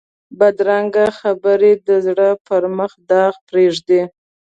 بدرنګه خبرې د زړه پر مخ داغ پرېږدي